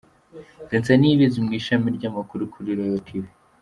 Vincent Niyibizi mu ishami ry’amakuru kuri Royal Tv.